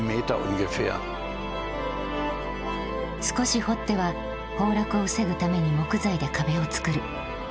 少し掘っては崩落を防ぐために木材で壁を作る。